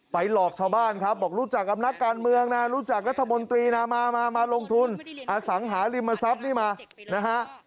หลอกชาวบ้านครับบอกรู้จักกับนักการเมืองนะรู้จักรัฐมนตรีนะมามาลงทุนอสังหาริมทรัพย์นี่มานะฮะ